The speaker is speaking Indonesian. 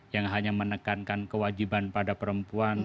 yang hanya menekankan kewajiban pada perempuan